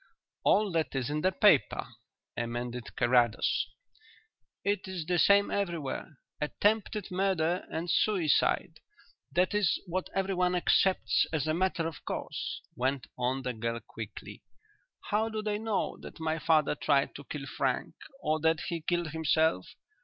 "All that is in the paper," amended Carrados. "It is the same everywhere 'attempted murder and suicide' that is what everyone accepts as a matter of course," went on the girl quickly. "How do they know that my father tried to kill Frank, or that he killed himself?